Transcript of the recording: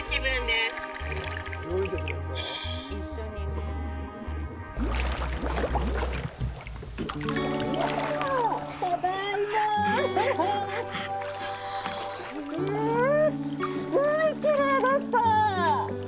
すっごいきれいでした！